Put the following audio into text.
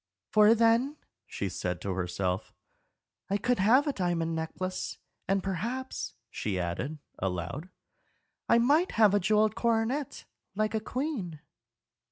"For then," she said to herself, "I could have a diamond necklace; and perhaps," she added, aloud, "I might have a jewelled coronet, like a queen."